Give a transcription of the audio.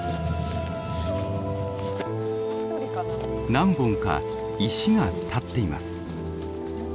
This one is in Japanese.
何本か石が立っています。